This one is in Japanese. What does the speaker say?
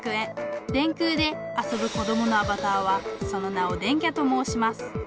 電空で遊ぶ子どものアバターはその名を「電キャ」ともうします